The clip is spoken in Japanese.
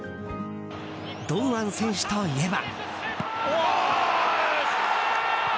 堂安選手といえば。